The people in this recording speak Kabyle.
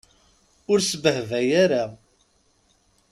Ur sbehbay ara.